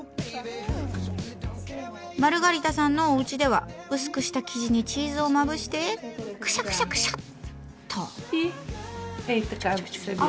マルガリタさんのおうちでは薄くした生地にチーズをまぶしてクシャクシャクシャッと。